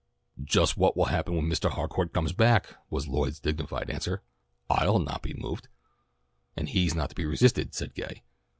"Just what will happen when Mistah Harcourt comes back," was Lloyd's dignified answer. "I'll not be moved." "And he's not to be resisted," said Gay.